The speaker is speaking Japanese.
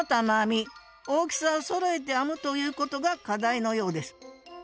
大きさをそろえて編むということが課題のようです